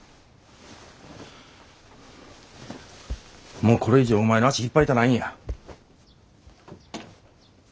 もうこれ以上お前の足引っ張りたないんや。